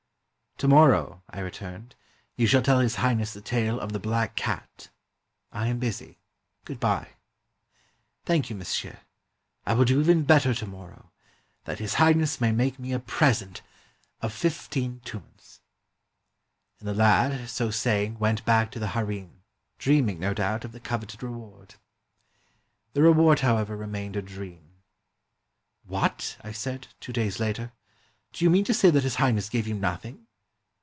"To morrow," I returned, "you shall tell His High ness the tale of 'The Black Cat.' I am busy. Good bye." "Thank you, monsieur. I will do even better work to morrow, that His Highness may make me a present of 395 PERSIA fifteen tumansy And the lad, so sa3dng, went back to the harem, dreaming, no doubt, of the coveted reward. The reward, however, remained a dream. " What! " I said, two days later, '' do you mean to say that His Highness gave you nothing?